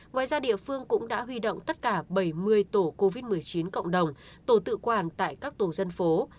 ngoài ra địa phương cũng đã huy động tất cả bảy mươi tổ covid một mươi chín cộng đồng tổ tự quản tại các tổ dân phố